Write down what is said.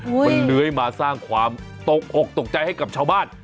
มันเลื้อยมาสร้างความตกอกตกใจให้กับชาวบ้าน